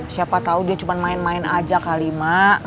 siapa tau dia cuma main main aja kali mak